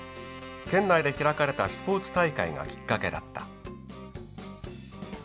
県内で開かれたスポーツ大会がきっかけだった。